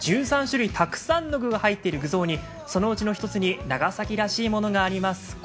１３種類、たくさんの具が入っている具雑煮、そのうちの１つに長崎らしいものがあります。